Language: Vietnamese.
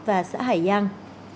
và xã hải giang